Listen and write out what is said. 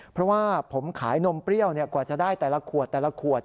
เพราะว่าผมขายนมเปรี้ยวกว่าจะได้แต่ละขวดแต่ละขวด